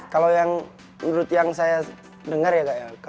kalau yang menurut yang saya dengar ya kak ya